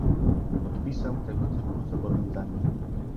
Podpisał tego typu zobowiązanie